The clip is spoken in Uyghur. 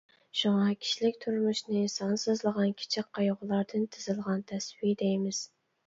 شۇڭا كىشىلىك تۇرمۇشنى سانسىزلىغان كىچىك قايغۇلاردىن تىزىلغان تەسۋى دەيمىز.